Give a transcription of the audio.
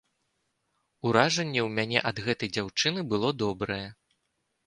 Уражанне ў мяне ад гэтай дзяўчыны было добрае.